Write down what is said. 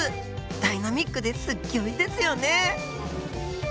ダイナミックですっギョいですよね。